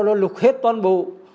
rồi lục hết toàn bộ